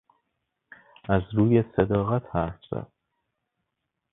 از روی صداقت حرف زد.